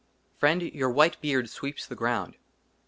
LXIV FRIEND, YOUR WHITE BEARD SWEEPS THE GROUND.